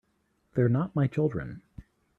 They're not my children.